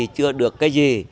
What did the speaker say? thì họ làm ăn phát đạt cái gì